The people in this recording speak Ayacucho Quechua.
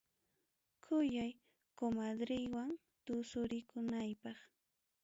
Kuyay comadreywan tusurikunaypaq.